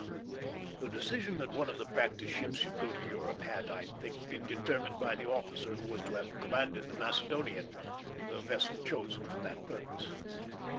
The decision that one of the practice ships should go to Europe had, I think, been determined by the officer who was to have commanded the Macedonian, the vessel chosen for that purpose.